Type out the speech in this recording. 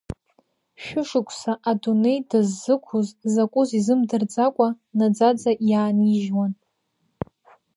Шәышықәса адунеи дыззықәыз закәыз изымдырӡакәа, наӡаӡа иаанижьуан.